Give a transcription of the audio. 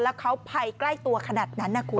แล้วเขาภัยใกล้ตัวขนาดนั้นนะคุณ